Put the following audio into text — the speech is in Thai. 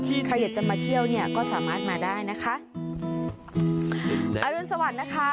ใครอยากจะมาเที่ยวเนี่ยก็สามารถมาได้นะคะอรุณสวัสดิ์นะคะ